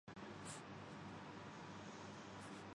expire شناختی card پر bank account